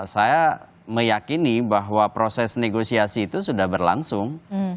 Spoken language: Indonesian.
saya meyakini bahwa proses negosiasi itu sudah berlangsung